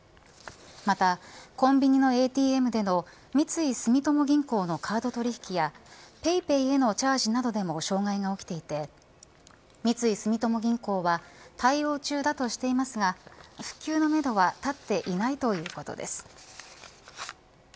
またコンビニのＡＴＭでの三井住友銀行のカード取引やＰａｙＰａｙへのチャージなどでも障害が起きていて三井住友銀行は対応中だとしていますが復旧のめどは立っていないということです。